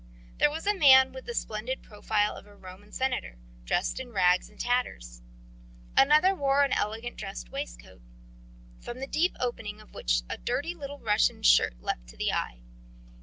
There was a man with the splendid profile of a Roman senator, dressed in rags and tatters. Another wore an elegant dress waistcoat, from the deep opening of which a dirty Little Russian shirt leapt to the eye.